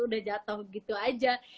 udah jatoh gitu aja